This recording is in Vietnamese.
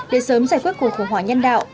để sớm giải quyết cuộc khủng hoảng nhân đạo